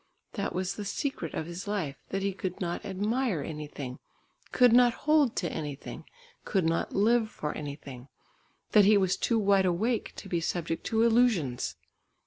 That was the secret of his life, that he could not admire anything, could not hold to anything, could not live for anything; that he was too wide awake to be subject to illusions.